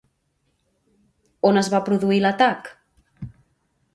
On es va produir l'atac?